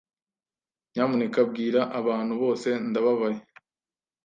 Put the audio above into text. Nyamuneka bwira abantu bose ndababaye.